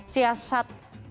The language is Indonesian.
siasat untuk puasa